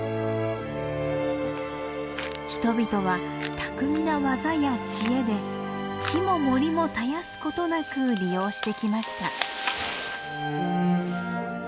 人々は巧みな技や知恵で木も森も絶やすことなく利用してきました。